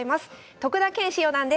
徳田拳士四段です。